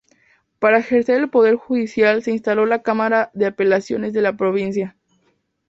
Para ejercer el Poder Judicial se instaló la Cámara de Apelaciones de la Provincia.